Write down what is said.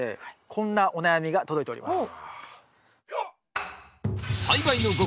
こんな写真が届いております。